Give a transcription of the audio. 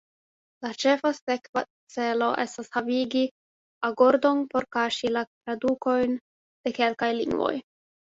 La ĉefa sekva celo estas havigi agordon por kaŝi la tradukojn de kelkaj lingvoj.